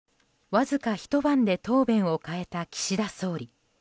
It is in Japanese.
わずか、ひと晩で答弁を変えた岸田総理。